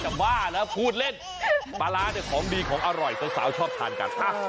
บ้าแล้วพูดเล่นปลาร้าเนี่ยของดีของอร่อยสาวชอบทานกัน